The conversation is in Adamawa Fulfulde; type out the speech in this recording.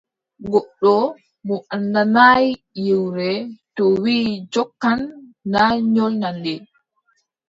Goɗɗo mo anndanaay yewre, to wii jokkan, na nyolnan nde.